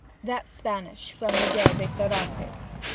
"That's Spanish—from Miguel de Cervantes.